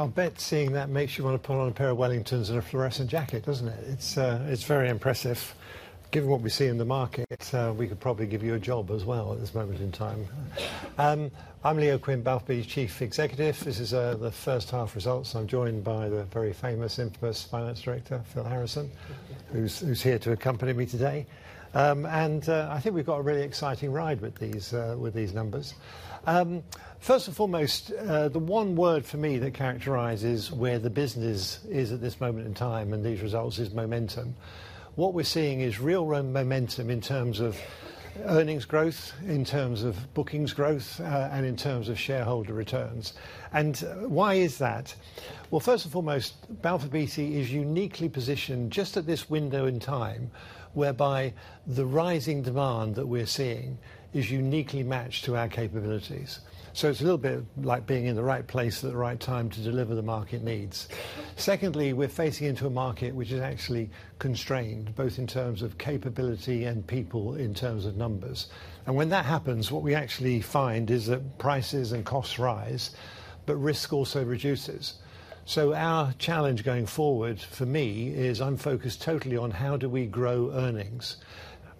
I'll bet seeing that makes you want to put on a pair of Wellingtons and a fluorescent jacket, doesn't it? It's very impressive. Given what we see in the market, we could probably give you a job as well at this moment in time. I'm Leo Quinn, Balfour Beatty's Chief Executive. This is the H1 results. I'm joined by the very famous, infamous finance director, Phil Harrison, who's here to accompany me today. I think we've got a really exciting ride with these numbers. First and foremost, the one word for me that characterizes where the business is at this moment in time and these results is momentum. What we're seeing is real momentum in terms of earnings growth, in terms of bookings growth, and in terms of shareholder returns. Why is that? Well, first and foremost, Balfour Beatty is uniquely positioned just at this window in time, whereby the rising demand that we're seeing is uniquely matched to our capabilities. So it's a little bit like being in the right place at the right time to deliver the market needs. Secondly, we're facing into a market which is actually constrained, both in terms of capability and people, in terms of numbers. And when that happens, what we actually find is that prices and costs rise, but risk also reduces. So our challenge going forward, for me, is I'm focused totally on: How do we grow earnings?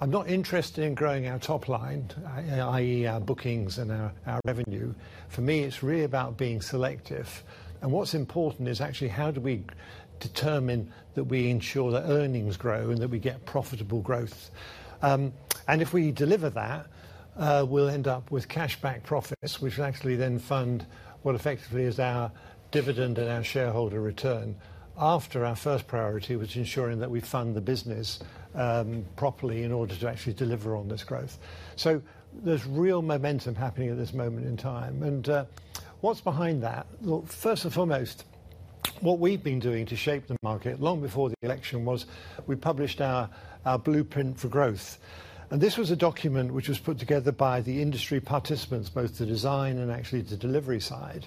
I'm not interested in growing our top line, i.e., our bookings and our revenue. For me, it's really about being selective. And what's important is actually how do we determine that we ensure that earnings grow and that we get profitable growth? And if we deliver that, we'll end up with cash back profits, which will actually then fund what effectively is our dividend and our shareholder return, after our first priority, which is ensuring that we fund the business, properly in order to actually deliver on this growth. So there's real momentum happening at this moment in time, and, what's behind that? Well, first and foremost, what we've been doing to shape the market, long before the election, was we published our, our Blueprint for Growth. And this was a document which was put together by the industry participants, both the design and actually the delivery side.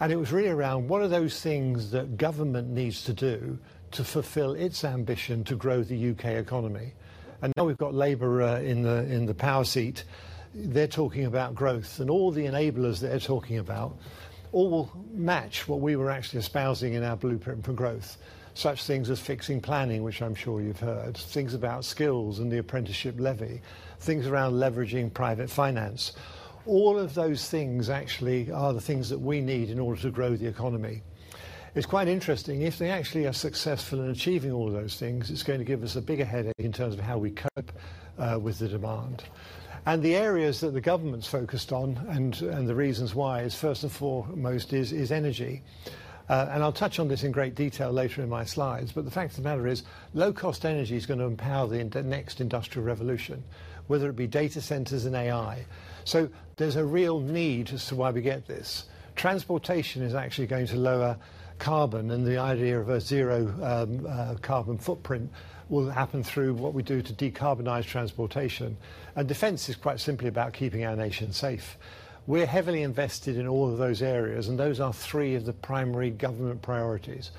And it was really around what are those things that government needs to do to fulfill its ambition to grow the U.K. economy? And now we've got Labour, in the power seat. They're talking about growth, and all the enablers that they're talking about all match what we were actually espousing in our Blueprint for Growth. Such things as fixing planning, which I'm sure you've heard, things about skills and the Apprenticeship Levy, things around leveraging private finance. All of those things actually are the things that we need in order to grow the economy. It's quite interesting. If they actually are successful in achieving all of those things, it's going to give us a bigger headache in terms of how we cope with the demand. And the areas that the government's focused on, and the reasons why, is first and foremost is energy. And I'll touch on this in great detail later in my slides, but the fact of the matter is, low-cost energy is going to empower the next industrial revolution, whether it be data centers and AI. So there's a real need as to why we get this. Transportation is actually going to lower carbon, and the idea of a zero carbon footprint will happen through what we do to decarbonize transportation. And defense is quite simply about keeping our nation safe. We're heavily invested in all of those areas, and those are three of the primary government priorities.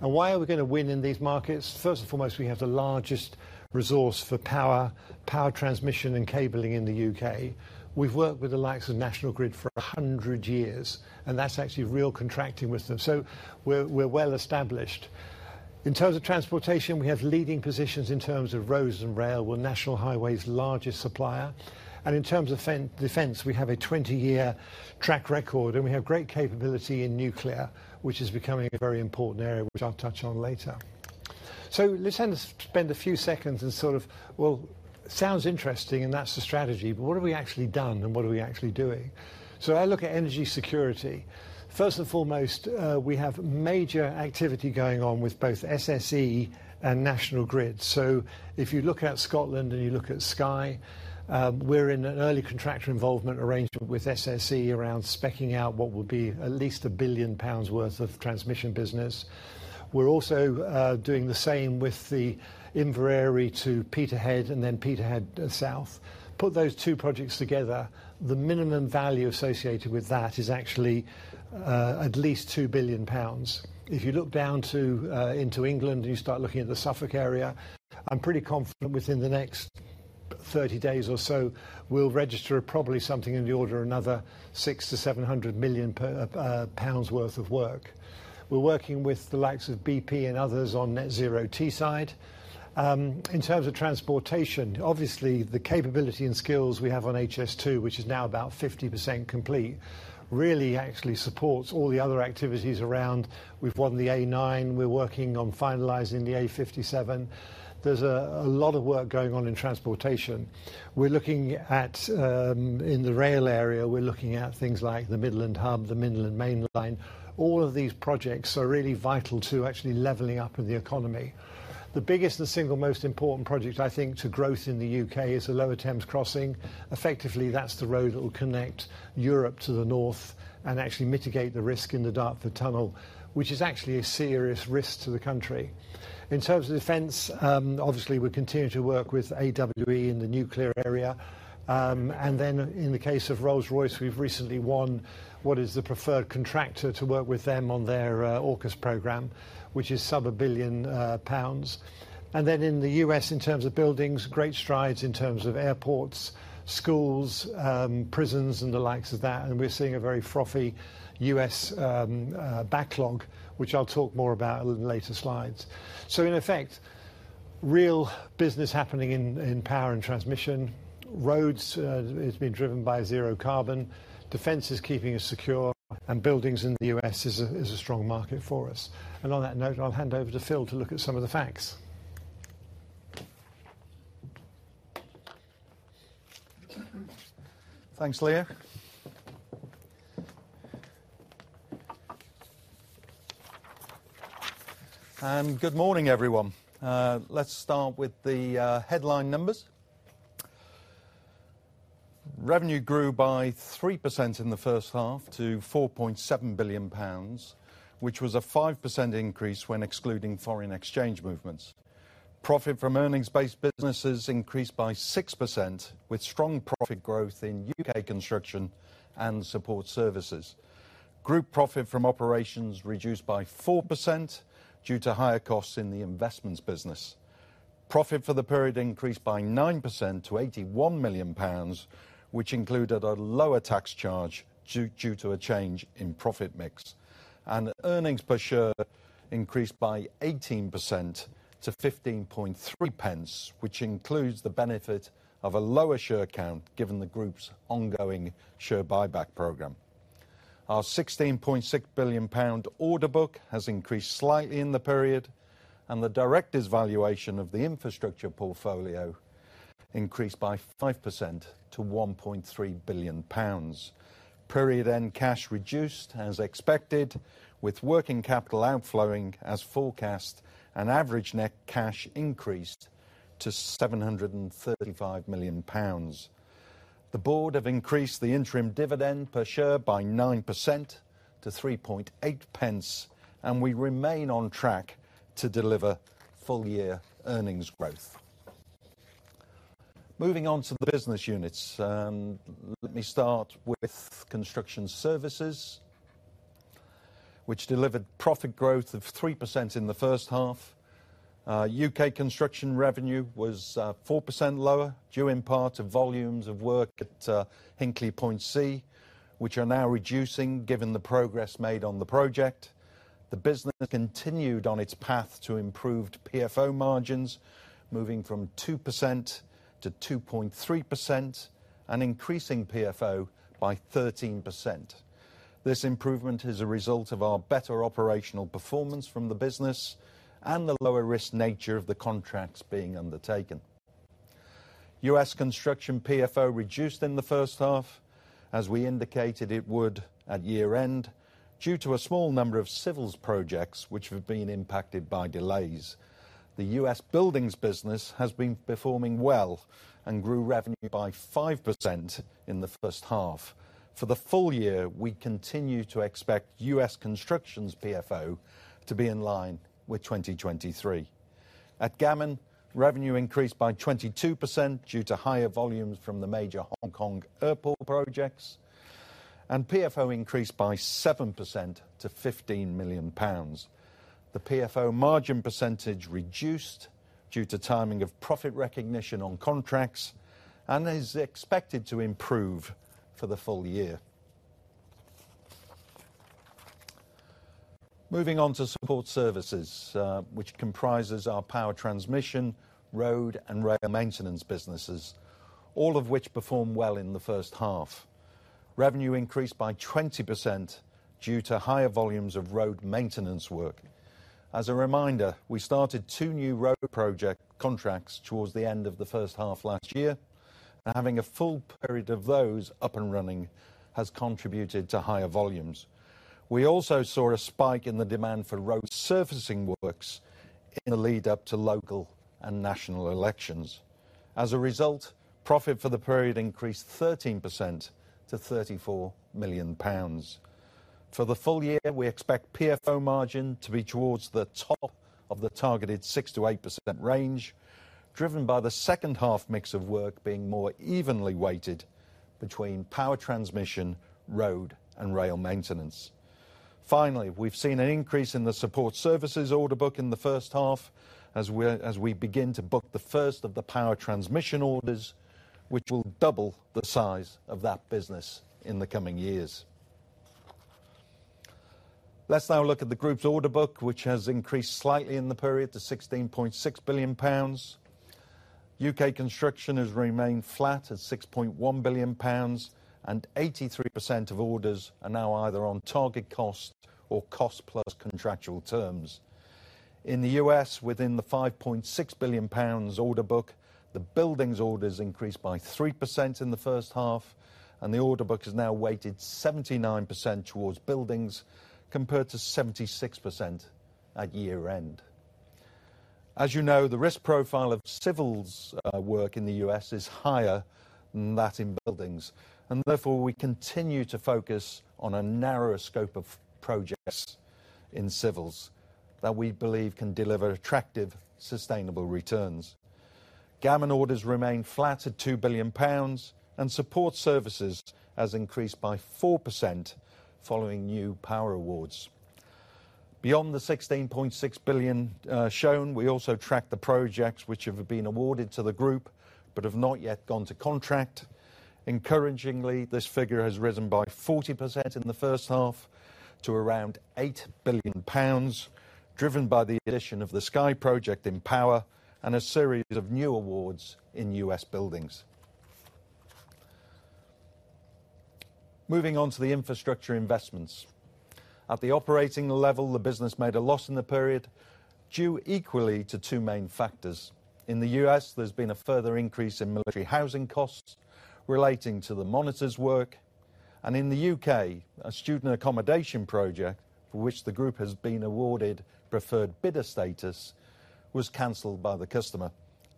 And why are we going to win in these markets? First and foremost, we have the largest resource for power, power transmission, and cabling in the U.K. We've worked with the likes of National Grid for 100 years, and that's actually real contracting with them, so we're, we're well established. In terms of transportation, we have leading positions in terms of roads and rail. We're National Highways' largest supplier. And in terms of defense, we have a 20-year track record, and we have great capability in nuclear, which is becoming a very important area, which I'll touch on later. So let's spend a few seconds and sort of... Well, sounds interesting, and that's the strategy, but what have we actually done and what are we actually doing? So I look at energy security. First and foremost, we have major activity going on with both SSE and National Grid. So if you look at Scotland and you look at Skye, we're in an early contractor involvement arrangement with SSE around speccing out what will be at least 1 billion pounds worth of transmission business. We're also doing the same with the Inveraray to Peterhead, and then Peterhead south. Put those two projects together, the minimum value associated with that is actually at least 2 billion pounds. If you look down to into England, and you start looking at the Suffolk area, I'm pretty confident within the next 30 days or so, we'll register probably something in the order of another 600 million-700 million pounds worth of work. We're working with the likes of BP and others on Net Zero Teesside. In terms of transportation, obviously, the capability and skills we have on HS2, which is now about 50% complete, really actually supports all the other activities around. We've won the A9. We're working on finalizing the A57. There's a lot of work going on in transportation. We're looking at, in the rail area, we're looking at things like the Midland Hub, the Midland Main Line. All of these projects are really vital to actually leveling up in the economy. The biggest and single most important project, I think, to growth in the UK is the Lower Thames Crossing. Effectively, that's the road that will connect Europe to the North and actually mitigate the risk in the Dartford Tunnel, which is actually a serious risk to the country. In terms of defense, obviously, we continue to work with AWE in the nuclear area. And then in the case of Rolls-Royce, we've recently won what is the preferred contractor to work with them on their AUKUS program, which is sub 1 billion pounds. And then in the US, in terms of buildings, great strides in terms of airports, schools, prisons, and the likes of that, and we're seeing a very frothy US backlog, which I'll talk more about in later slides. So in effect, real business happening in power and transmission. Roads is being driven by zero carbon. Defense is keeping us secure, and buildings in the US is a strong market for us. And on that note, I'll hand over to Phil to look at some of the facts. Thanks, Leo. Good morning, everyone. Let's start with the headline numbers. Revenue grew by 3% in the H1 to 4.7 billion pounds, which was a 5% increase when excluding foreign exchange movements. Profit from earnings-based businesses increased by 6%, with strong profit growth in UK construction and support services. Group profit from operations reduced by 4% due to higher costs in the investments business. Profit for the period increased by 9% to 81 million pounds, which included a lower tax charge due to a change in profit mix. Earnings per share increased by 18% to 15.3 pence, which includes the benefit of a lower share count, given the group's ongoing share buyback program. Our 16.6 billion pound order book has increased slightly in the period, and the directors' valuation of the infrastructure portfolio increased by 5% to 1.3 billion pounds. Period end, cash reduced as expected, with working capital outflowing as forecast and average net cash increased to 735 million pounds. The board have increased the interim dividend per share by 9% to 0.038, and we remain on track to deliver full-year earnings growth. Moving on to the business units, let me start with construction services, which delivered profit growth of 3% in the H1. UK construction revenue was four percent lower, due in part to volumes of work at Hinkley Point C, which are now reducing given the progress made on the project. The business continued on its path to improved PFO margins, moving from 2% to 2.3% and increasing PFO by 13%. This improvement is a result of our better operational performance from the business and the lower risk nature of the contracts being undertaken. U.S. construction PFO reduced in the H1, as we indicated it would at year-end, due to a small number of civils projects which have been impacted by delays. The U.S. buildings business has been performing well and grew revenue by 5% in the H1. For the full year, we continue to expect U.S. construction's PFO to be in line with 2023. At Gammon, revenue increased by 22% due to higher volumes from the major Hong Kong airport projects, and PFO increased by 7% to 15 million pounds. The PFO margin percentage reduced due to timing of profit recognition on contracts and is expected to improve for the full year. Moving on to support services, which comprises our power transmission, road, and rail maintenance businesses, all of which performed well in the H1. Revenue increased by 20% due to higher volumes of road maintenance work. As a reminder, we started two new road project contracts towards the end of the H1 last year, and having a full period of those up and running has contributed to higher volumes. We also saw a spike in the demand for road surfacing works in the lead-up to local and national elections. As a result, profit for the period increased 13% to 34 million pounds. For the full year, we expect PFO margin to be towards the top of the targeted 6%-8% range, driven by the H2 mix of work being more evenly weighted between power transmission, road, and rail maintenance. Finally, we've seen an increase in the support services order book in the H1 as we begin to book the first of the power transmission orders, which will double the size of that business in the coming years. Let's now look at the group's order book, which has increased slightly in the period to 16.6 billion pounds. UK construction has remained flat at 6.1 billion pounds, and 83% of orders are now either on target cost or cost-plus contractual terms. In the US, within the 5.6 billion pounds order book, the buildings orders increased by 3% in the H1, and the order book is now weighted 79% towards buildings, compared to 76% at year-end. As you know, the risk profile of civils work in the US is higher than that in buildings, and therefore we continue to focus on a narrower scope of projects in civils that we believe can deliver attractive, sustainable returns. Gammon orders remain flat at 2 billion pounds, and support services has increased by 4% following new power awards. Beyond the 16.6 billion shown, we also tracked the projects which have been awarded to the group but have not yet gone to contract. Encouragingly, this figure has risen by 40% in the H1 to around 8 billion pounds, driven by the addition of the Skye project in Power and a series of new awards in US buildings. Moving on to the infrastructure investments. At the operating level, the business made a loss in the period, due equally to two main factors. In the US, there's been a further increase in military housing costs relating to the monitors work, and in the UK, a student accommodation project, for which the group has been awarded preferred bidder status, was canceled by the customer.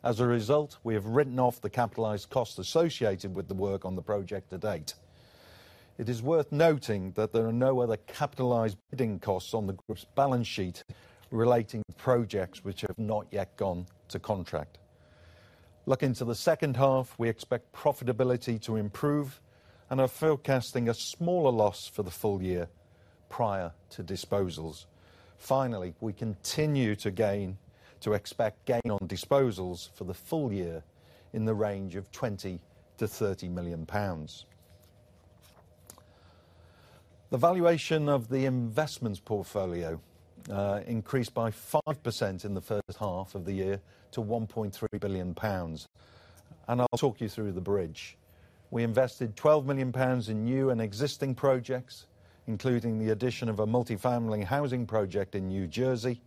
As a result, we have written off the capitalized costs associated with the work on the project to date. It is worth noting that there are no other capitalized bidding costs on the group's balance sheet relating to projects which have not yet gone to contract. Looking to the H2, we expect profitability to improve and are forecasting a smaller loss for the full year prior to disposals. Finally, we continue to expect gain on disposals for the full year in the range of 20 million-30 million pounds. The valuation of the investments portfolio increased by 5% in the H1 of the year to 1.3 billion pounds. And I'll talk you through the bridge. We invested 12 million pounds in new and existing projects, including the addition of a multifamily housing project in New Jersey.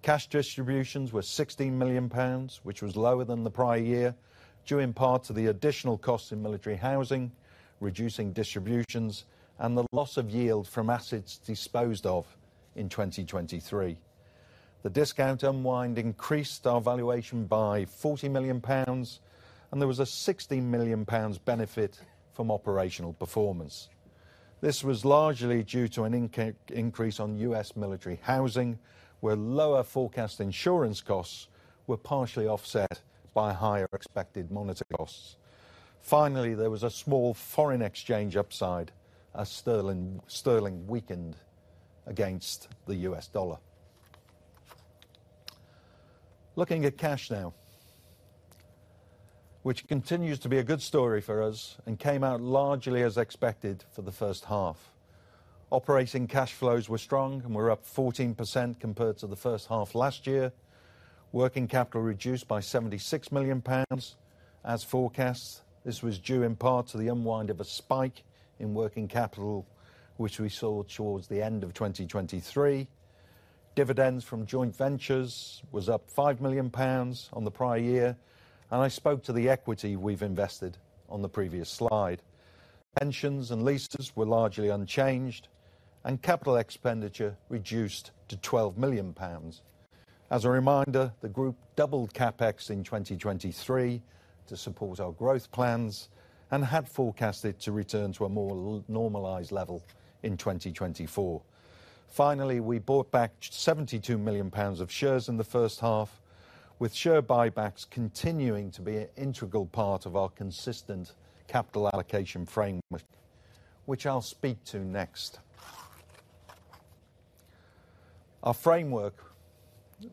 Cash distributions were 16 million pounds, which was lower than the prior year, due in part to the additional costs in military housing, reducing distributions, and the loss of yield from assets disposed of in 2023. The discount unwind increased our valuation by 40 million pounds, and there was a 16 million pounds benefit from operational performance. This was largely due to an increase on U.S. military housing, where lower forecast insurance costs were partially offset by higher expected monitor costs. Finally, there was a small foreign exchange upside as sterling weakened against the U.S. dollar. Looking at cash now, which continues to be a good story for us and came out largely as expected for the H1. Operating cash flows were strong and were up 14% compared to the H1 last year. Working capital reduced by 76 million pounds as forecast. This was due in part to the unwind of a spike in working capital, which we saw towards the end of 2023. Dividends from joint ventures was up 5 million pounds on the prior year, and I spoke to the equity we've invested on the previous slide. Pensions and leases were largely unchanged, and capital expenditure reduced to 12 million pounds. As a reminder, the group doubled CapEx in 2023 to support our growth plans and had forecasted to return to a more normalized level in 2024. Finally, we bought back 72 million pounds of shares in the H1, with share buybacks continuing to be an integral part of our consistent capital allocation framework, which I'll speak to next. Our framework,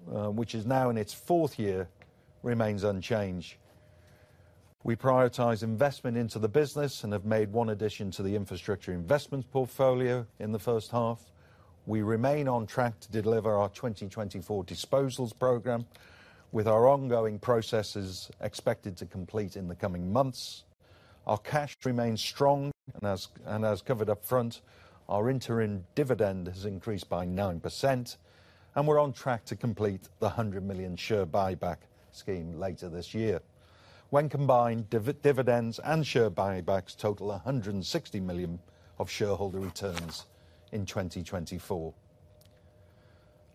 which is now in its fourth year, remains unchanged. We prioritize investment into the business and have made one addition to the infrastructure investment portfolio in the H1. We remain on track to deliver our 2024 disposals program, with our ongoing processes expected to complete in the coming months. Our cash remains strong, and as covered up front, our interim dividend has increased by 9%, and we're on track to complete the 100 million share buyback scheme later this year. When combined, dividends and share buybacks total 160 million of shareholder returns in 2024.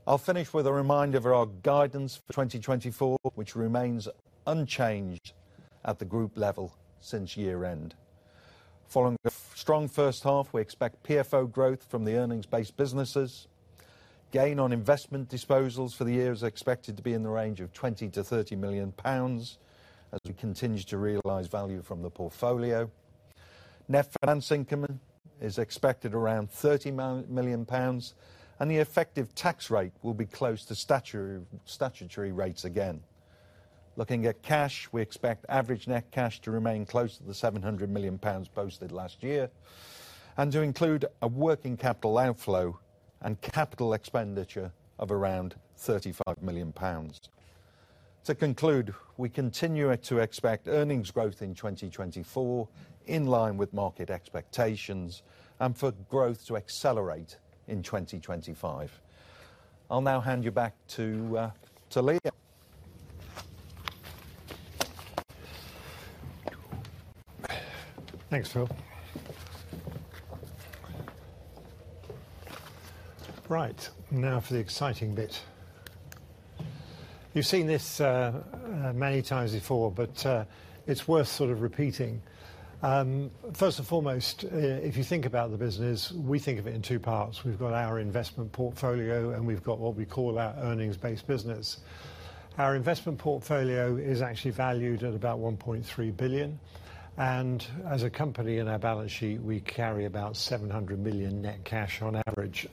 I'll finish with a reminder of our guidance for 2024, which remains unchanged at the group level since year-end. Following a strong H1, we expect PFO growth from the earnings-based businesses. Gain on investment disposals for the year is expected to be in the range of 20-30 million pounds as we continue to realize value from the portfolio. Net finance income is expected around 30 million pounds, and the effective tax rate will be close to statutory rates again. Looking at cash, we expect average net cash to remain close to the 700 million pounds posted last year and to include a working capital outflow and capital expenditure of around 35 million pounds. To conclude, we continue to expect earnings growth in 2024, in line with market expectations, and for growth to accelerate in 2025. I'll now hand you back to Leo. Thanks, Phil. Right, now for the exciting bit. You've seen this, many times before, but, it's worth sort of repeating. First and foremost, if you think about the business, we think of it in two parts. We've got our investment portfolio, and we've got what we call our earnings-based business. Our investment portfolio is actually valued at about 1.3 billion, and as a company, in our balance sheet, we carry about 700 million net cash on average.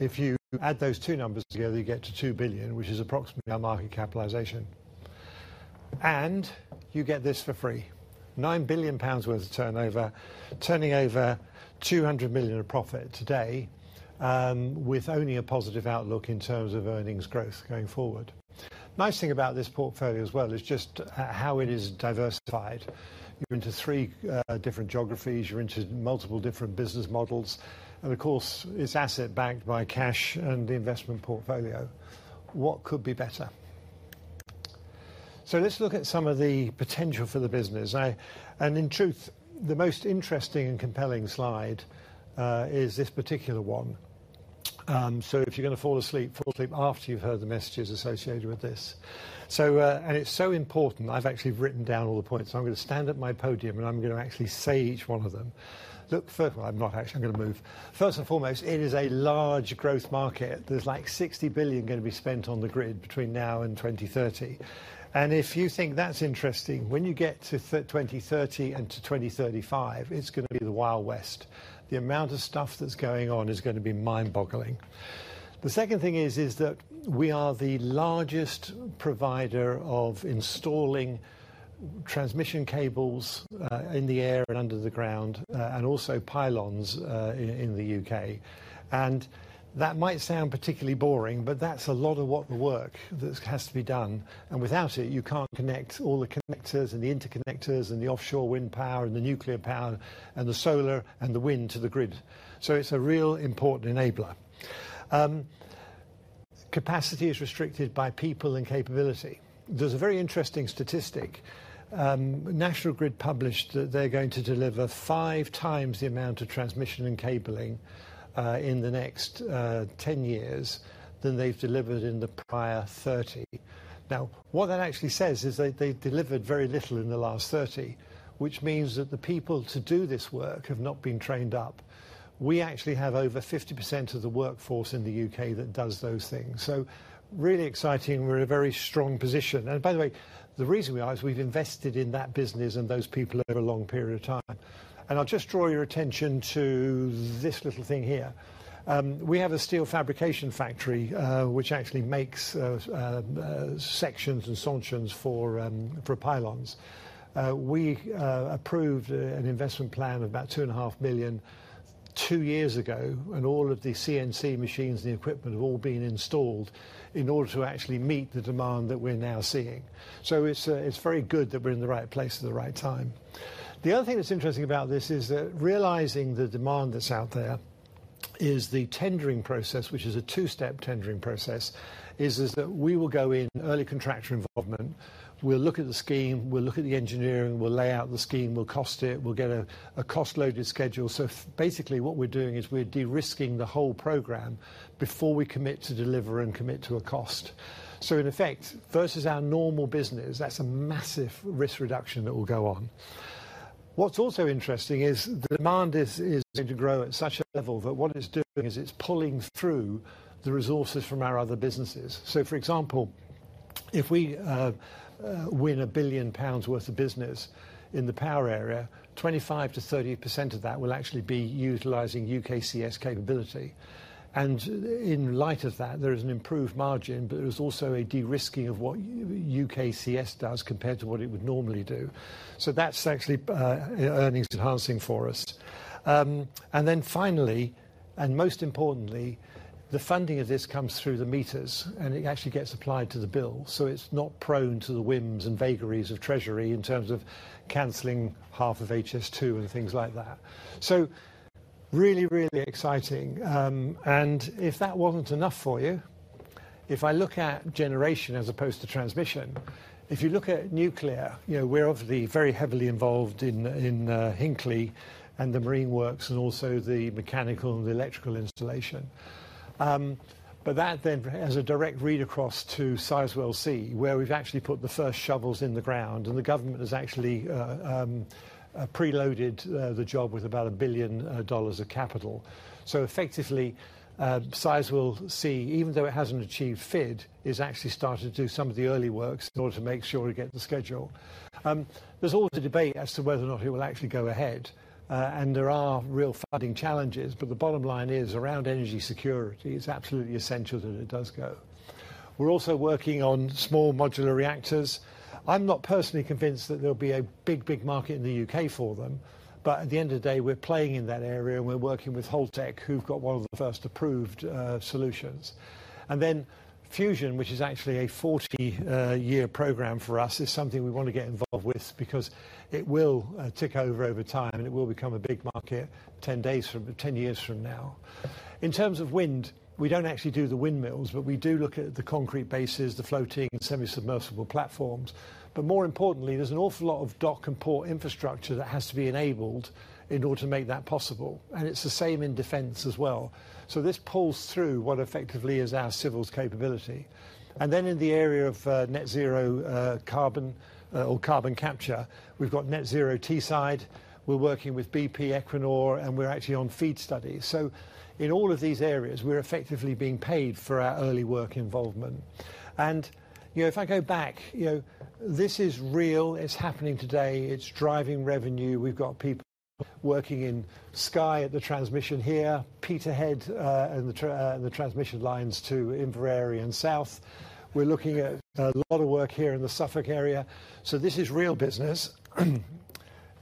If you add those two numbers together, you get to 2 billion, which is approximately our market capitalization. And you get this for free: 9 billion pounds worth of turnover, turning over 200 million in profit today, with only a positive outlook in terms of earnings growth going forward. Nice thing about this portfolio as well is just how it is diversified. You're into 3 different geographies, you're into multiple different business models, and of course, it's asset backed by cash and the investment portfolio. What could be better? So let's look at some of the potential for the business. And in truth, the most interesting and compelling slide is this particular one. So if you're gonna fall asleep, fall asleep after you've heard the messages associated with this. So, and it's so important, I've actually written down all the points, so I'm gonna stand at my podium, and I'm gonna actually say each one of them. First and foremost, it is a large growth market. There's, like, 60 billion going to be spent on the grid between now and 2030. If you think that's interesting, when you get to 2030 and to 2035, it's gonna be the Wild West. The amount of stuff that's going on is going to be mind-boggling. The second thing is that we are the largest provider of installing transmission cables in the air and under the ground, and also pylons, in the UK. And that might sound particularly boring, but that's a lot of what the work that has to be done, and without it, you can't connect all the connectors and the interconnectors and the offshore wind power and the nuclear power and the solar and the wind to the grid. So it's a real important enabler. Capacity is restricted by people and capability. There's a very interesting statistic. National Grid published that they're going to deliver 5 times the amount of transmission and cabling in the next 10 years than they've delivered in the prior 30. Now, what that actually says is they delivered very little in the last 30, which means that the people to do this work have not been trained up. We actually have over 50% of the workforce in the U.K. that does those things, so really exciting. We're in a very strong position. By the way, the reason we are is we've invested in that business and those people over a long period of time. I'll just draw your attention to this little thing here. We have a steel fabrication factory, which actually makes sections and stanchions for pylons. We approved an investment plan of about 2.5 million two years ago, and all of the CNC machines and the equipment have all been installed in order to actually meet the demand that we're now seeing. So it's very good that we're in the right place at the right time. The other thing that's interesting about this is that realizing the demand that's out there is the tendering process, which is a two-step tendering process, is that we will go in early contractor involvement. We'll look at the scheme, we'll look at the engineering, we'll lay out the scheme, we'll cost it, we'll get a cost loaded schedule. So basically, what we're doing is we're de-risking the whole program before we commit to deliver and commit to a cost. In effect, versus our normal business, that's a massive risk reduction that will go on. What's also interesting is the demand is going to grow at such a level that what it's doing is it's pulling through the resources from our other businesses. So for example, if we win 1 billion pounds worth of business in the power area, 25%-30% of that will actually be utilizing UKCS capability. And in light of that, there is an improved margin, but there is also a de-risking of what UKCS does compared to what it would normally do. So that's actually earnings enhancing for us. And then finally, and most importantly, the funding of this comes through the meters, and it actually gets applied to the bill, so it's not prone to the whims and vagaries of Treasury in terms of canceling half of HS2 and things like that. So really, really exciting. And if that wasn't enough for you, if I look at generation as opposed to transmission, if you look at nuclear, you know, we're obviously very heavily involved in Hinkley and the marine works and also the mechanical and electrical installation. But that then has a direct read across to Sizewell C, where we've actually put the first shovels in the ground, and the government has actually preloaded the job with about $1 billion of capital. So effectively, Sizewell C, even though it hasn't achieved FID, is actually starting to do some of the early works in order to make sure we get to schedule. There's a lot of debate as to whether or not it will actually go ahead, and there are real funding challenges, but the bottom line is, around energy security, it's absolutely essential that it does go. We're also working on small modular reactors. I'm not personally convinced that there'll be a big, big market in the UK for them, but at the end of the day, we're playing in that area, and we're working with Holtec, who've got one of the first approved solutions. And then Fusion, which is actually a 40-year program for us, is something we want to get involved with because it will tick over over time, and it will become a big market 10 years from now. In terms of wind, we don't actually do the windmills, but we do look at the concrete bases, the floating and semi-submersible platforms. But more importantly, there's an awful lot of dock and port infrastructure that has to be enabled in order to make that possible, and it's the same in defense as well. So this pulls through what effectively is our civils capability. And then in the area of net zero carbon or carbon capture, we've got Net Zero Teesside. We're working with BP Equinor, and we're actually on FEED study. So in all of these areas, we're effectively being paid for our early work involvement. And, you know, if I go back, you know, this is real. It's happening today. It's driving revenue. We've got people working in Skye at the transmission here, Peterhead, and the transmission lines to Inveraray and South. We're looking at a lot of work here in the Suffolk area, so this is real business....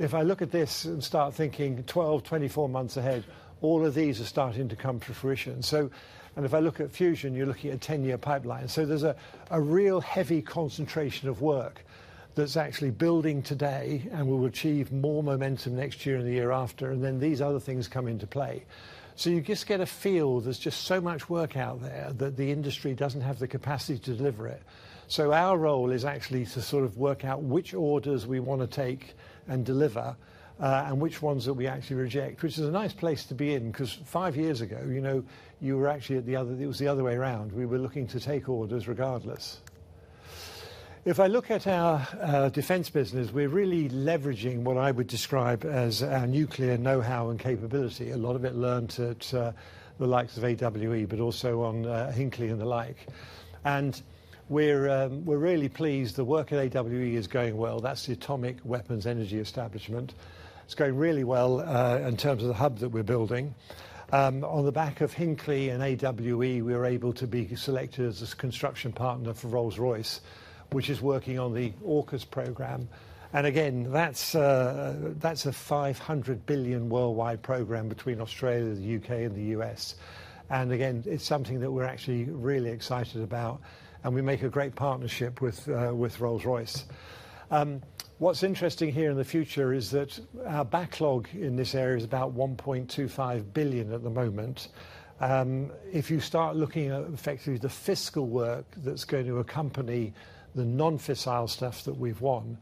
If I look at this and start thinking 12, 24 months ahead, all of these are starting to come to fruition. So, and if I look at fusion, you're looking at a 10-year pipeline. So there's a real heavy concentration of work that's actually building today and will achieve more momentum next year and the year after, and then these other things come into play. So you just get a feel there's just so much work out there that the industry doesn't have the capacity to deliver it. So our role is actually to sort of work out which orders we want to take and deliver, and which ones that we actually reject. Which is a nice place to be in, 'cause five years ago, you know, you were actually at the other-- it was the other way around. We were looking to take orders regardless. If I look at our defense business, we're really leveraging what I would describe as our nuclear know-how and capability. A lot of it learned at the likes of AWE, but also on Hinkley and the like. And we're really pleased. The work at AWE is going well. That's the Atomic Weapons Establishment. It's going really well, in terms of the hub that we're building. On the back of Hinkley and AWE, we were able to be selected as a construction partner for Rolls-Royce, which is working on the AUKUS program. And again, that's, that's a $500 billion worldwide program between Australia, the U.K., and the U.S. And again, it's something that we're actually really excited about, and we make a great partnership with, with Rolls-Royce. What's interesting here in the future is that our backlog in this area is about 1.25 billion at the moment. If you start looking at effectively the fissile work that's going to accompany the non-fissile stuff that we've won,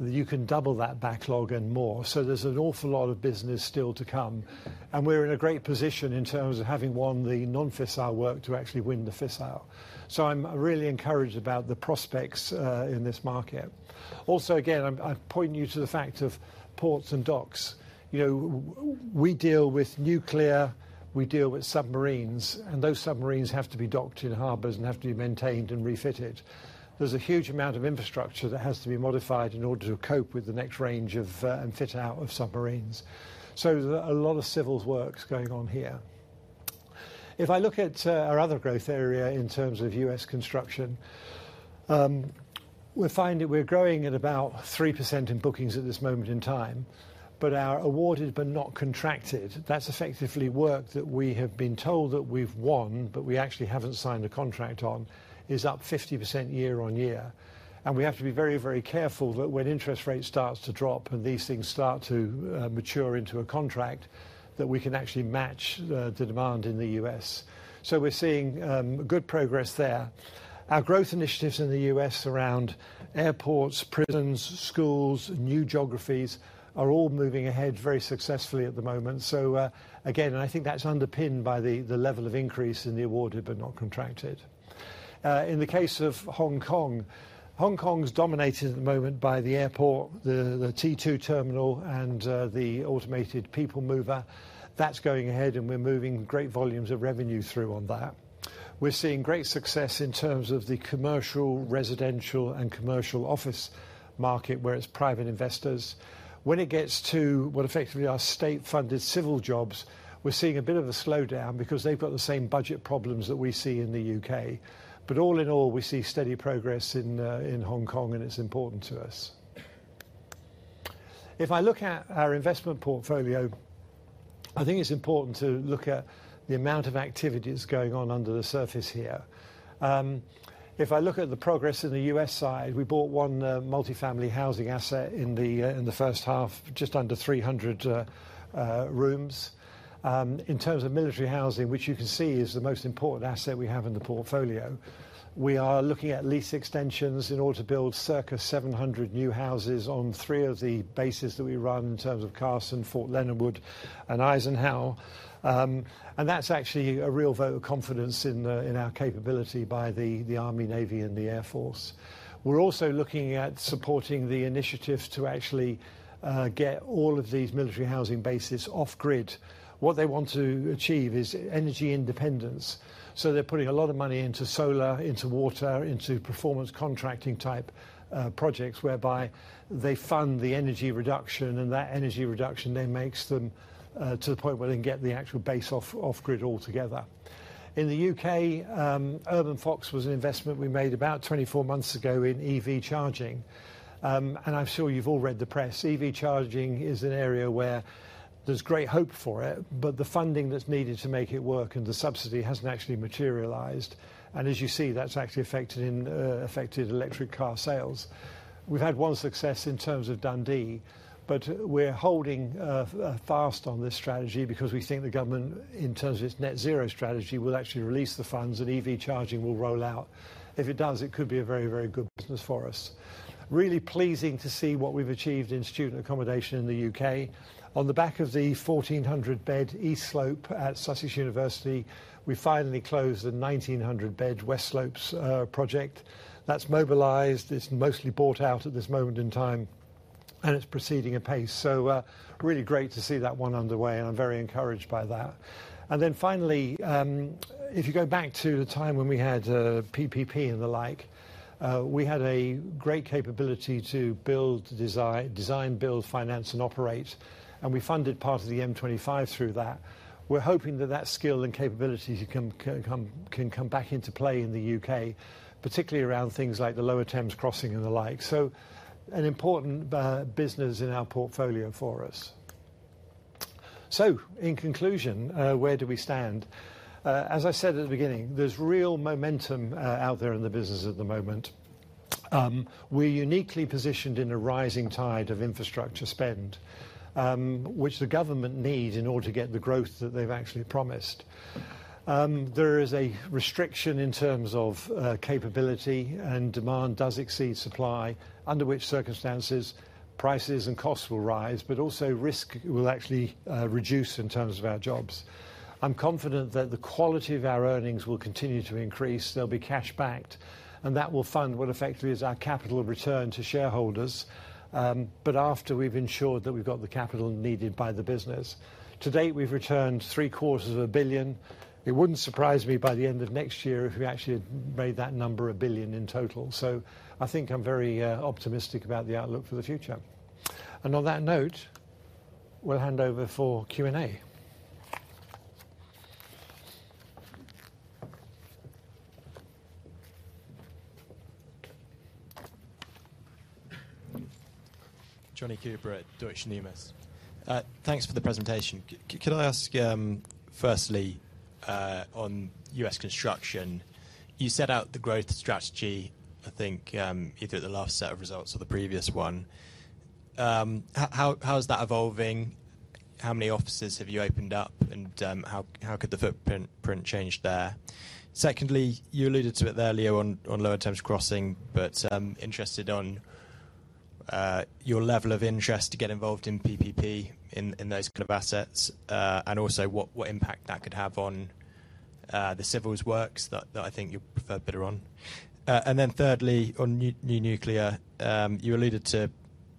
you can double that backlog and more. So there's an awful lot of business still to come, and we're in a great position in terms of having won the non-fissile work to actually win the fissile. So I'm really encouraged about the prospects in this market. Also, again, I'm pointing you to the fact of ports and docks. You know, we deal with nuclear, we deal with submarines, and those submarines have to be docked in harbors and have to be maintained and refitted. There's a huge amount of infrastructure that has to be modified in order to cope with the next range of and fit out of submarines. So there's a lot of civils works going on here. If I look at our other growth area in terms of US construction, we're finding we're growing at about 3% in bookings at this moment in time. But our awarded but not contracted, that's effectively work that we have been told that we've won, but we actually haven't signed a contract on, is up 50% year-on-year. And we have to be very, very careful that when interest rate starts to drop and these things start to mature into a contract, that we can actually match the demand in the U.S. So we're seeing good progress there. Our growth initiatives in the U.S. around airports, prisons, schools, new geographies, are all moving ahead very successfully at the moment. So, again, and I think that's underpinned by the level of increase in the awarded but not contracted. In the case of Hong Kong, Hong Kong is dominated at the moment by the airport, the T2 terminal, and the automated people mover. That's going ahead, and we're moving great volumes of revenue through on that. We're seeing great success in terms of the commercial, residential, and commercial office market, where it's private investors. When it gets to what effectively are state-funded civil jobs, we're seeing a bit of a slowdown because they've got the same budget problems that we see in the U.K. But all in all, we see steady progress in Hong Kong, and it's important to us. If I look at our investment portfolio, I think it's important to look at the amount of activities going on under the surface here. If I look at the progress in the U.S. side, we bought one multifamily housing asset in the H1, just under 300 rooms. In terms of military housing, which you can see is the most important asset we have in the portfolio, we are looking at lease extensions in order to build circa 700 new houses on three of the bases that we run in terms of Fort Carson, Fort Leonard Wood, and Fort Eisenhower. And that's actually a real vote of confidence in in our capability by the the Army, Navy, and the Air Force. We're also looking at supporting the initiatives to actually get all of these military housing bases off grid. What they want to achieve is energy independence, so they're putting a lot of money into solar, into water, into performance contracting-type projects, whereby they fund the energy reduction, and that energy reduction then makes them to the point where they can get the actual base off off grid altogether. In the UK, Urban Fox was an investment we made about 24 months ago in EV charging. I'm sure you've all read the press. EV charging is an area where there's great hope for it, but the funding that's needed to make it work and the subsidy hasn't actually materialized. As you see, that's actually affected electric car sales. We've had one success in terms of Dundee, but we're holding fast on this strategy because we think the government, in terms of its net zero strategy, will actually release the funds, and EV charging will roll out. If it does, it could be a very, very good business for us. Really pleasing to see what we've achieved in student accommodation in the UK. On the back of the 1,400-bed East Slope at the University of Sussex, we finally closed the 1,900-bed West Slope project. That's mobilized. It's mostly bought out at this moment in time, and it's proceeding apace. So, really great to see that one underway, and I'm very encouraged by that. And then finally, if you go back to the time when we had PPP and the like, we had a great capability to build, design, build, finance, and operate, and we funded part of the M25 through that. We're hoping that that skill and capability can come back into play in the U.K., particularly around things like the Lower Thames Crossing and the like. So an important business in our portfolio for us. So in conclusion, where do we stand? As I said at the beginning, there's real momentum out there in the business at the moment. We're uniquely positioned in a rising tide of infrastructure spend, which the government need in order to get the growth that they've actually promised. There is a restriction in terms of capability, and demand does exceed supply, under which circumstances, prices and costs will rise, but also risk will actually reduce in terms of our jobs. I'm confident that the quality of our earnings will continue to increase. They'll be cash backed, and that will fund what effectively is our capital return to shareholders, but after we've ensured that we've got the capital needed by the business. To date, we've returned 750 million. It wouldn't surprise me, by the end of next year, if we actually made that number 1 billion in total. So I think I'm very optimistic about the outlook for the future. And on that note, we'll hand over for Q&A. Jonny Coubrough at Deutsche Numis. Thanks for the presentation. Can I ask, firstly, on US construction, you set out the growth strategy, I think, either at the last set of results or the previous one. How is that evolving? How many offices have you opened up, and how could the footprint change there? Secondly, you alluded to it there earlier on, on Lower Thames Crossing, but interested on your level of interest to get involved in PPP in those kind of assets, and also, what impact that could have on the civils works that I think you're preferred bidder on. And then thirdly, on new nuclear, you alluded to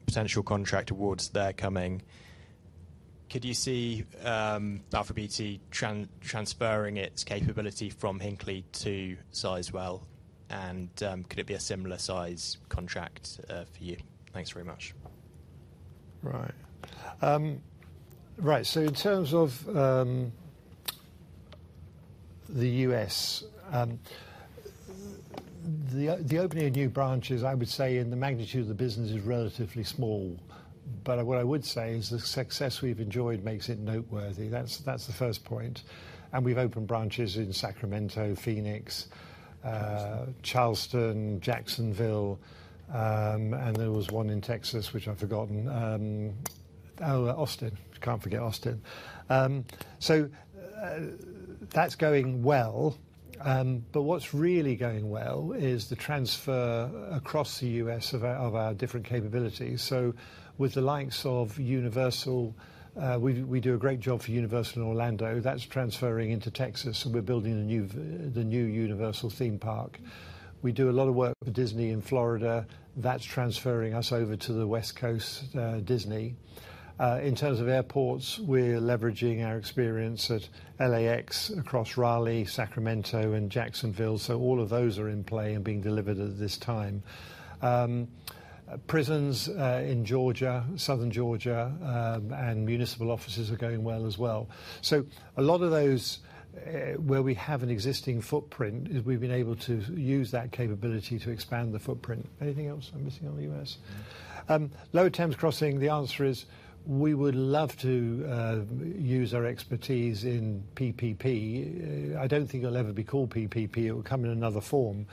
potential contract awards there coming. Could you see Balfour Beatty transferring its capability from Hinkley to Sizewell, and could it be a similar size contract for you? Thanks very much. Right. Right, so in terms of the U.S., the opening of new branches, I would say in the magnitude of the business, is relatively small. But what I would say is the success we've enjoyed makes it noteworthy. That's the first point. We've opened branches in Sacramento, Phoenix, Charleston, Jacksonville, and there was one in Texas, which I've forgotten. Oh, Austin. Can't forget Austin. So, that's going well, but what's really going well is the transfer across the U.S. of our different capabilities. So with the likes of Universal, we do a great job for Universal in Orlando. That's transferring into Texas, and we're building the new Universal theme park. We do a lot of work with Disney in Florida. That's transferring us over to the West Coast, Disney. In terms of airports, we're leveraging our experience at LAX across Raleigh, Sacramento, and Jacksonville. So all of those are in play and being delivered at this time. Prisons in Georgia, southern Georgia, and municipal offices are going well as well. So a lot of those, where we have an existing footprint, is we've been able to use that capability to expand the footprint. Anything else I'm missing on the U.S.? Lower Thames Crossing, the answer is, we would love to use our expertise in PPP. I don't think it'll ever be called PPP. It will come in another form.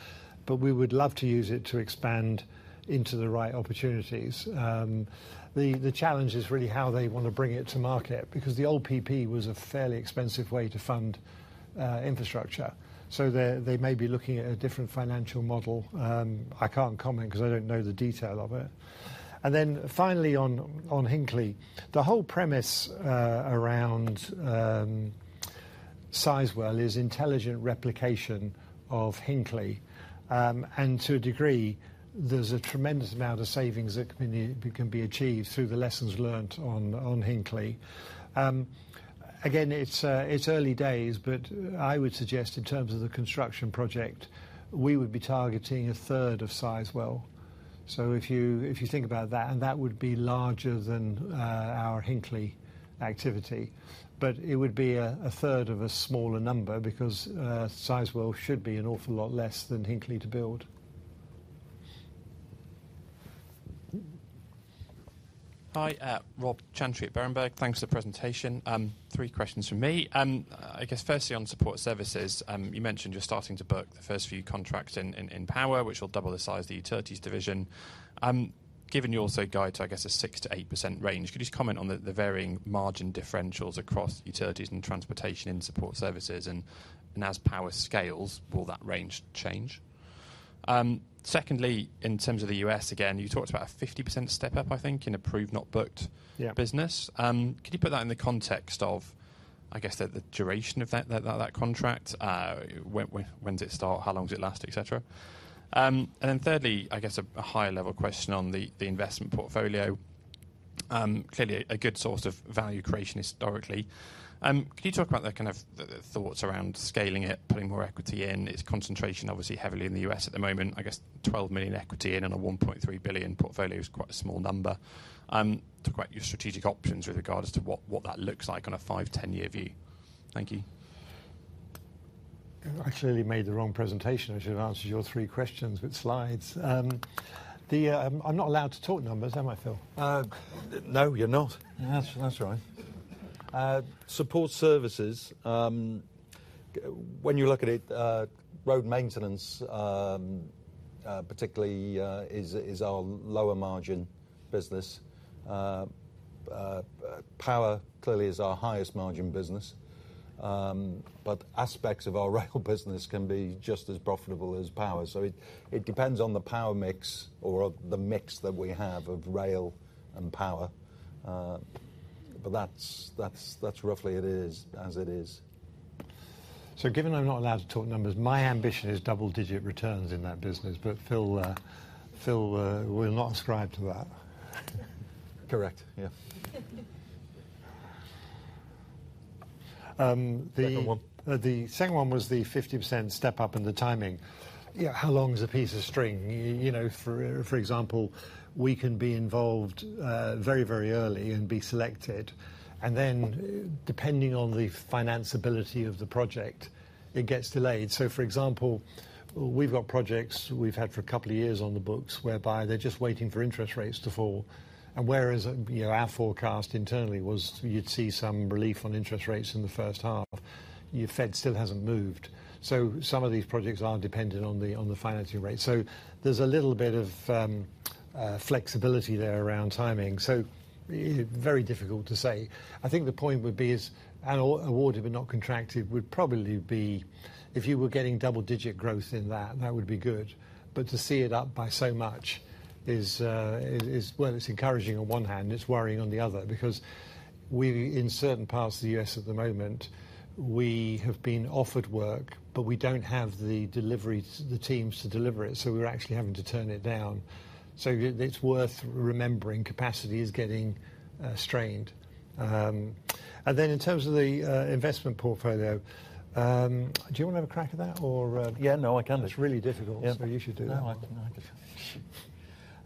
But we would love to use it to expand into the right opportunities. The challenge is really how they want to bring it to market, because the old PPP was a fairly expensive way to fund infrastructure. So they may be looking at a different financial model. I can't comment, because I don't know the detail of it. And then finally, on Hinkley, the whole premise around Sizewell is intelligent replication of Hinkley. And to a degree, there's a tremendous amount of savings that can be achieved through the lessons learned on Hinkley. Again, it's early days, but I would suggest, in terms of the construction project, we would be targeting a third of Sizewell. So if you think about that, and that would be larger than our Hinkley activity. But it would be a third of a smaller number because Sizewell should be an awful lot less than Hinkley to build. Hi, Rob Chantry at Berenberg. Thanks for the presentation. Three questions from me. I guess, firstly, on support services, you mentioned you're starting to book the first few contracts in power, which will double the size of the utilities division. Given you also guide to, I guess, a 6%-8% range, could you just comment on the varying margin differentials across utilities and transportation and support services? And as power scales, will that range change? Secondly, in terms of the U.S., again, you talked about a 50% step up, I think, in approved, not booked- Yeah... business. Could you put that in the context of, I guess, the duration of that contract? When does it start? How long does it last, et cetera? And then thirdly, I guess a higher level question on the investment portfolio. Clearly a good source of value creation historically. Can you talk about the kind of the thoughts around scaling it, putting more equity in? Its concentration obviously heavily in the US at the moment. I guess 12 million equity in a 1.3 billion portfolio is quite a small number. To guide your strategic options with regard to what that looks like on a 5-10-year view. Thank you.... I clearly made the wrong presentation, which answers your three questions with slides. I'm not allowed to talk numbers, am I, Phil? No, you're not. That's, that's right. Support services, when you look at it, road maintenance, particularly, is our lower margin business. Power clearly is our highest margin business. But aspects of our rail business can be just as profitable as power. So it depends on the power mix or the mix that we have of rail and power. But that's roughly it is, as it is. So given I'm not allowed to talk numbers, my ambition is double-digit returns in that business. But Phil, Phil, will not ascribe to that. Correct. Yeah. Um, the- Second one. The second one was the 50% step up and the timing. Yeah, how long is a piece of string? You know, for example, we can be involved very, very early and be selected, and then depending on the financeability of the project, it gets delayed. So for example, we've got projects we've had for a couple of years on the books whereby they're just waiting for interest rates to fall. And whereas, you know, our forecast internally was you'd see some relief on interest rates in the H1, the Fed still hasn't moved. So some of these projects are dependent on the financing rate. So there's a little bit of flexibility there around timing. So very difficult to say. I think the point would be is, and awarded, but not contracted, would probably be if you were getting double-digit growth in that, that would be good. But to see it up by so much is, is, well, it's encouraging on one hand, it's worrying on the other, because we, in certain parts of the U.S. at the moment, we have been offered work, but we don't have the delivery, the teams to deliver it, so we're actually having to turn it down. So it's worth remembering capacity is getting, strained. And then in terms of the, investment portfolio, do you want to have a crack at that or- Yeah, no, I can. It's really difficult. Yeah. You should do that. No, I can.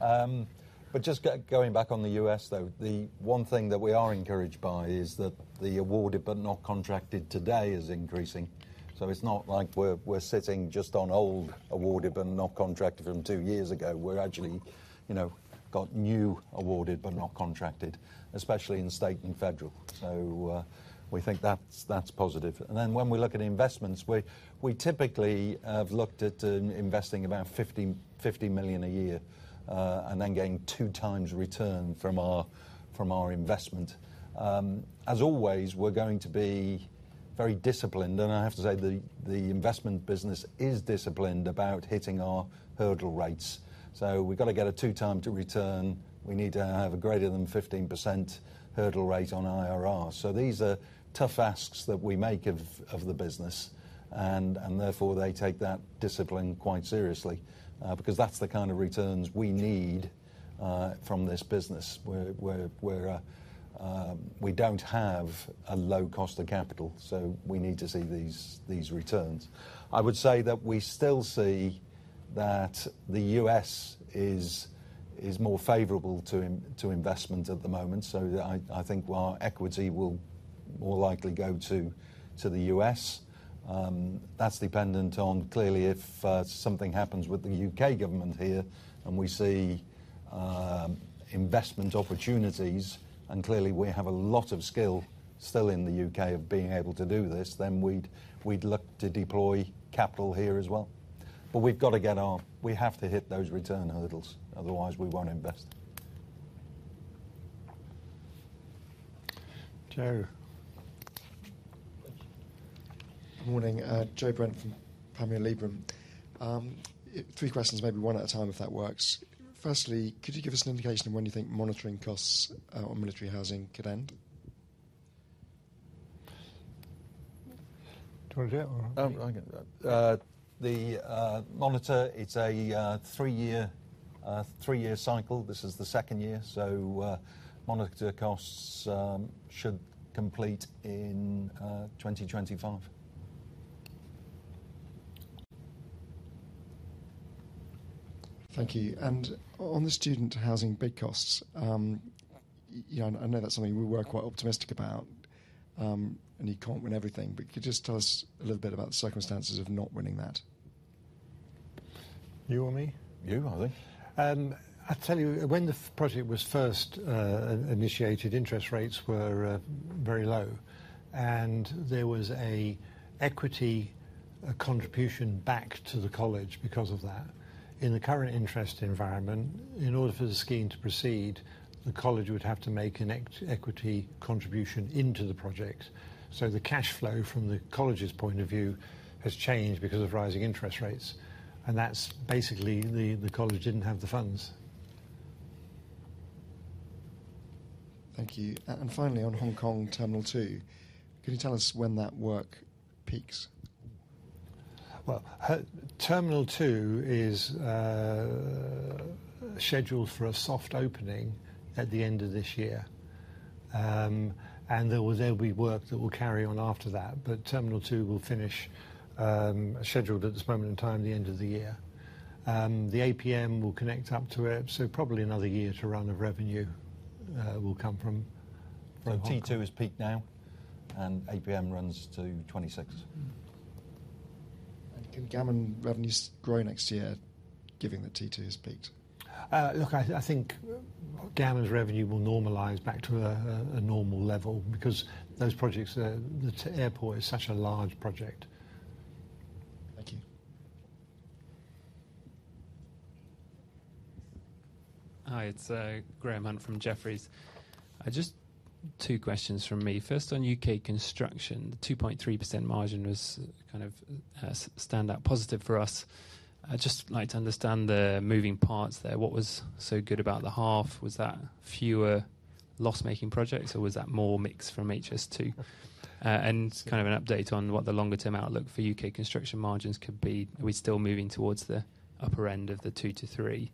I can. But just going back on the US, though, the one thing that we are encouraged by is that the awarded but not contracted today is increasing. So it's not like we're sitting just on old awarded but not contracted from two years ago. We're actually, you know, got new awarded but not contracted, especially in state and federal. So we think that's positive. And then when we look at investments, we typically have looked at investing about $50 million a year and then getting 2x return from our investment. As always, we're going to be very disciplined, and I have to say, the investment business is disciplined about hitting our hurdle rates. So we've got to get a 2x return. We need to have a greater than 15% hurdle rate on IRR. So these are tough asks that we make of the business, and therefore, they take that discipline quite seriously, because that's the kind of returns we need from this business, where we don't have a low cost of capital, so we need to see these returns. I would say that we still see that the U.S. is more favorable to investment at the moment. So I think our equity will more likely go to the U.S. That's dependent on clearly if something happens with the UK government here and we see investment opportunities, and clearly, we have a lot of skill still in the UK of being able to do this, then we'd look to deploy capital here as well. But we have to hit those return hurdles, otherwise we won't invest. Joe. Good morning, Joe Brent from Panmure Liberum. Three questions, maybe one at a time, if that works. Firstly, could you give us an indication of when you think monitoring costs on military housing could end? Do you want to do it or me? I can do that. The monitor, it's a 3-year cycle. This is the second year, so monitor costs should complete in 2025. Thank you. And on the student housing bid costs, yeah, I know that's something we were quite optimistic about, and you can't win everything, but could you just tell us a little bit about the circumstances of not winning that? You or me? You, I think. I'll tell you, when the project was first initiated, interest rates were very low, and there was an equity contribution back to the college because of that. In the current interest environment, in order for the scheme to proceed, the college would have to make an equity contribution into the project. So the cash flow from the college's point of view has changed because of rising interest rates, and that's basically the college didn't have the funds. Thank you. Finally, on Hong Kong Terminal 2, could you tell us when that work peaks? Well, Terminal 2 is scheduled for a soft opening at the end of this year. There will be work that will carry on after that, but Terminal 2 will finish scheduled at this moment in time, the end of the year. The APM will connect up to it, so probably another year to run of revenue will come from that. So T2 is peaked now, and APM runs to 2026. Can Gammon revenues grow next year, given that T2 has peaked? Look, I think Gammon's revenue will normalize back to a normal level because those projects, the airport, is such a large project. Thank you. Hi, it's Graham Hunt from Jefferies. I just two questions from me. First, on UK construction, 2.3% margin was kind of stand out positive for us. I'd just like to understand the moving parts there. What was so good about the half? Was that fewer loss-making projects, or was that more mix from HS2? And kind of an update on what the longer-term outlook for UK construction margins could be. Are we still moving towards the upper end of the 2%-3%?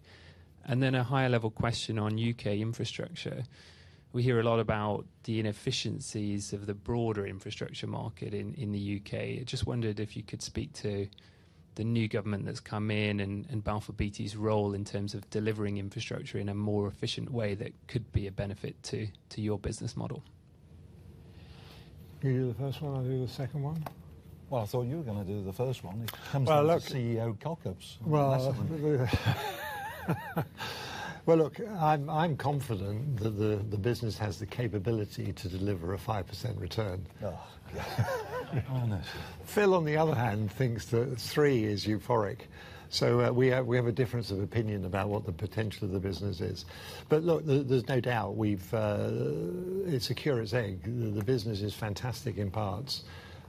And then a higher level question on UK infrastructure. We hear a lot about the inefficiencies of the broader infrastructure market in the UK. I just wondered if you could speak to the new government that's come in and Balfour Beatty's role in terms of delivering infrastructure in a more efficient way that could be a benefit to your business model. You do the first one, I'll do the second one? Well, I thought you were gonna do the first one. It comes as- Well, look- -CEO caucus. Well, look, I'm confident that the business has the capability to deliver a 5% return. Oh, goodness. Phil, on the other hand, thinks that three is euphoric. So, we have a difference of opinion about what the potential of the business is. But look, there's no doubt we've... It's secure as egg. The business is fantastic in parts,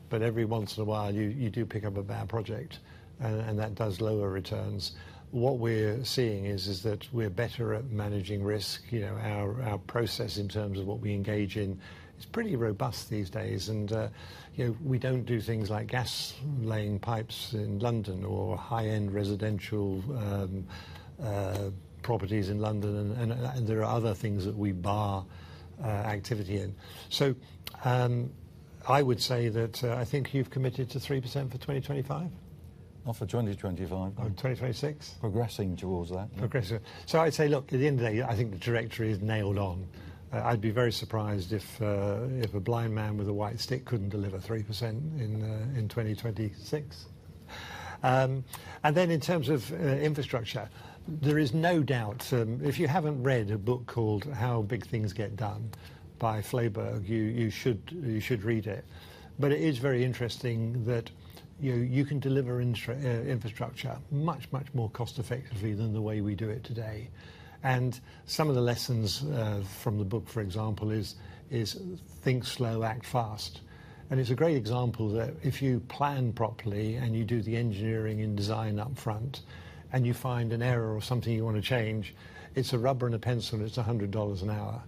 but every once in a while you do pick up a bad project, and that does lower returns. What we're seeing is that we're better at managing risk. You know, our process in terms of what we engage in is pretty robust these days. And, you know, we don't do things like gas laying pipes in London or high-end residential properties in London, and there are other things that we bar activity in. So, I would say that I think you've committed to 3% for 2025? Not for 2025. Oh, 2026? Progressing towards that. Progressing. So I'd say, look, at the end of the day, I think the delivery is nailed on. I'd be very surprised if a blind man with a white stick couldn't deliver 3% in 2026. And then in terms of infrastructure, there is no doubt, if you haven't read a book called How Big Things Get Done by Flyvbjerg, you should read it. But it is very interesting that, you know, you can deliver infrastructure much more cost effectively than the way we do it today. And some of the lessons from the book, for example, is think slow, act fast. It's a great example that if you plan properly and you do the engineering and design up front, and you find an error or something you want to change, it's a rubber and a pencil, and it's $100 an hour.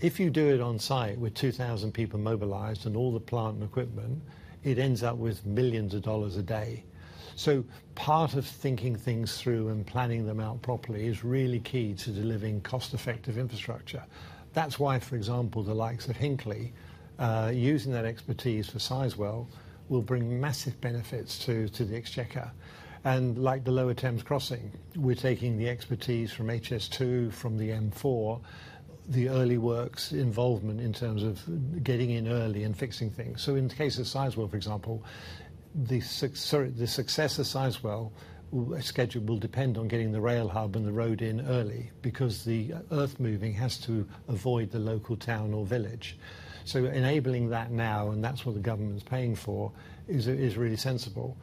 If you do it on site with 2,000 people mobilized and all the plant and equipment, it ends up with millions of dollars a day. So part of thinking things through and planning them out properly is really key to delivering cost-effective infrastructure. That's why, for example, the likes of Hinkley using that expertise for Sizewell, will bring massive benefits to the Exchequer. Like the Lower Thames Crossing, we're taking the expertise from HS2, from the M4, the early works involvement in terms of getting in early and fixing things. So in the case of Sizewell, for example, the success of Sizewell schedule will depend on getting the rail hub and the road in early, because the earth moving has to avoid the local town or village. So enabling that now, and that's what the government is paying for, is really sensible.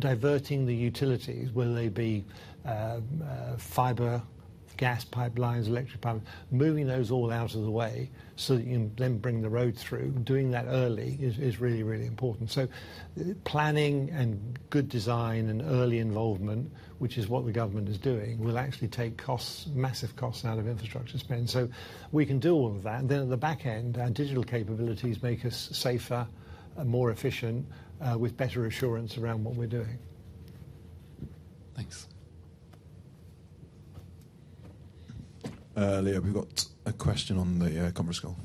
Diverting the utilities, whether they be fiber, gas pipelines, electric pipe, moving those all out of the way so that you can then bring the road through, doing that early is really, really important. So planning and good design and early involvement, which is what the government is doing, will actually take costs, massive costs out of infrastructure spend. So we can do all of that. And then at the back end, our digital capabilities make us safer and more efficient with better assurance around what we're doing. Thanks. Leo, we've got a question on the conference call.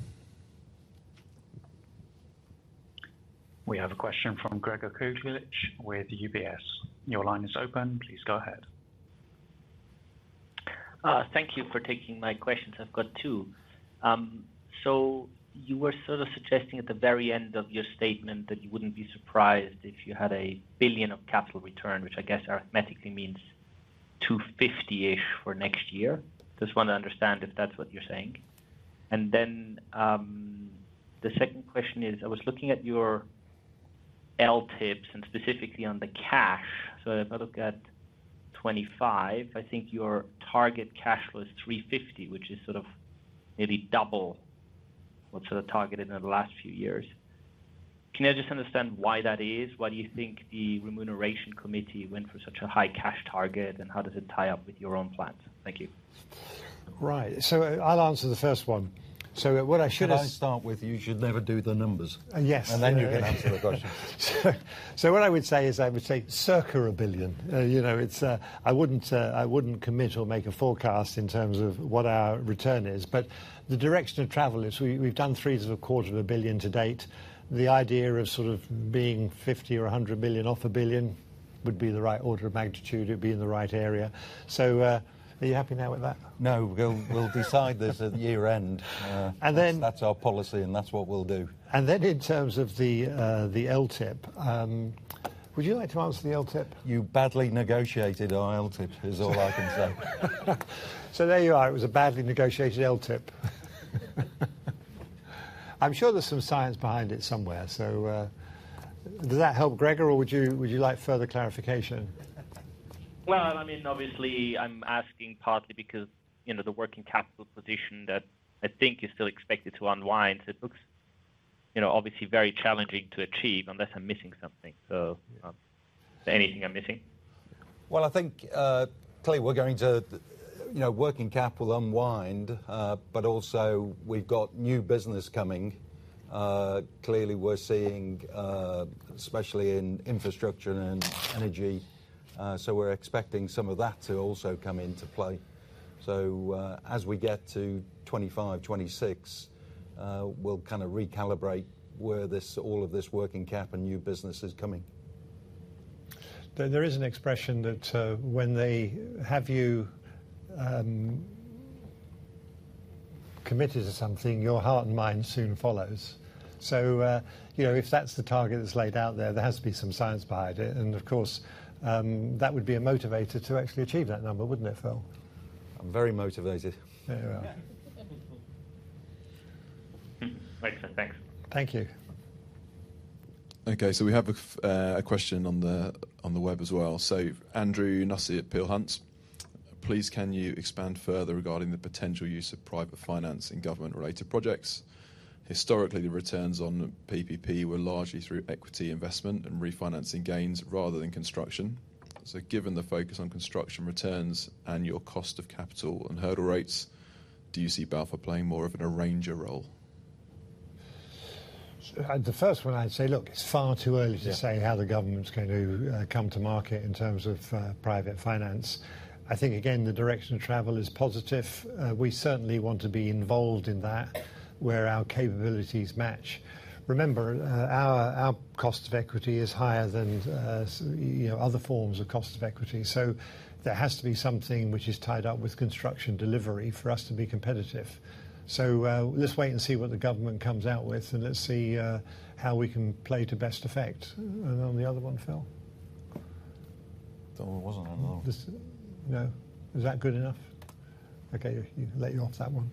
We have a question from Gregor Kuglitsch with UBS. Your line is open. Please go ahead. Thank you for taking my questions. I've got two. So you were sort of suggesting at the very end of your statement that you wouldn't be surprised if you had 1 billion of capital return, which I guess arithmetically means 250 million-ish for next year. Just want to understand if that's what you're saying. And then, the second question is, I was looking at your LTIPs, and specifically on the cash. So if I look at 2025, I think your target cash was 350 million, which is sort of maybe double what sort of targeted in the last few years. Can I just understand why that is? Why do you think the remuneration committee went for such a high cash target, and how does it tie up with your own plans? Thank you. Right. So I'll answer the first one. So what I should have- Can I start with, you should never do the numbers? Yes. Then you can answer the question. What I would say is, I would say circa 1 billion. You know, it's, I wouldn't commit or make a forecast in terms of what our return is, but the direction of travel is we've done 3.25 billion to date. The idea of sort of being 50 or 100 billion, off a billion... would be the right order of magnitude, it would be in the right area. So, are you happy now with that? No, we'll, we'll decide this at the year-end. And then- That's our policy, and that's what we'll do. And then in terms of the LTIP, would you like to answer the LTIP? You badly negotiated on LTIP, is all I can say. So there you are. It was a badly negotiated LTIP. I'm sure there's some science behind it somewhere, so, does that help, Gregor, or would you, would you like further clarification? Well, I mean, obviously, I'm asking partly because, you know, the working capital position that I think is still expected to unwind, so it looks, you know, obviously very challenging to achieve, unless I'm missing something. So, is there anything I'm missing? Well, I think, clearly, we're going to, you know, working capital unwind, but also we've got new business coming. Clearly, we're seeing, especially in infrastructure and energy, so we're expecting some of that to also come into play. So, as we get to 2025, 2026, we'll kind of recalibrate where this, all of this working cap and new business is coming. There is an expression that, when they have you committed to something, your heart and mind soon follows. So, you know, if that's the target that's laid out there, there has to be some science behind it, and of course, that would be a motivator to actually achieve that number, wouldn't it, Phil? I'm very motivated. Yeah, you are. Makes sense, thanks. Thank you. Okay, so we have a question on the web as well. So Andrew Nussey at Peel Hunt. "Please, can you expand further regarding the potential use of private finance in government-related projects? Historically, the returns on PPP were largely through equity investment and refinancing gains rather than construction. So given the focus on construction returns and your cost of capital and hurdle rates, do you see Balfour playing more of an arranger role? The first one, I'd say, look, it's far too early. Yeah... to say how the government's going to come to market in terms of private finance. I think, again, the direction of travel is positive. We certainly want to be involved in that, where our capabilities match. Remember, our cost of equity is higher than you know, other forms of cost of equity, so there has to be something which is tied up with construction delivery for us to be competitive. So, let's wait and see what the government comes out with, and let's see how we can play to best effect. And on the other one, Phil? There wasn't another one. Just... No, is that good enough? Okay, let you off that one.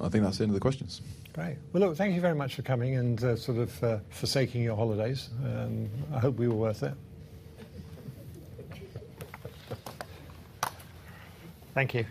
I think that's the end of the questions. Great. Well, look, thank you very much for coming and, sort of, forsaking your holidays, and I hope we were worth it. Thank you.